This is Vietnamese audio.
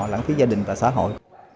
lãng phí gia đình và xã hội